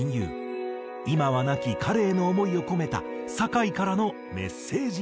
今は亡き彼への想いを込めたさかいからのメッセージソング。